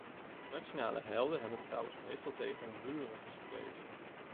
Nationale helden hebben trouwens meestal tegen hun buren gestreden.